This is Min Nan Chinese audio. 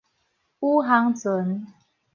宇航船